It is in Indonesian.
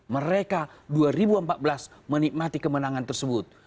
mereka dua ribu empat belas menikmati kemenangan tersebut